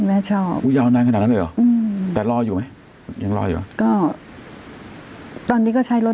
หนังหน่ายขนาดนั้นเลยหรอแต่รออยู่ไหม